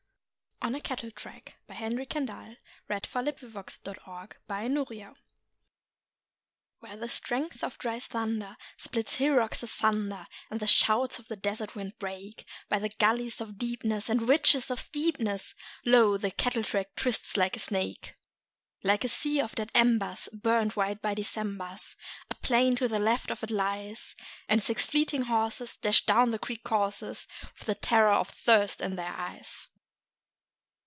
eet hearted maiden what name is too tender for her? On a Cattle Track Where the strength of dry thunder splits hill rocks asunder, And the shouts of the desert wind break, By the gullies of deepness and ridges of steepness, Lo, the cattle track twists like a snake! Like a sea of dead embers, burnt white by Decembers, A plain to the left of it lies; And six fleeting horses dash down the creek courses With the terror of thirst in their eyes.